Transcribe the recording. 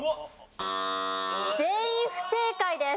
全員不正解です。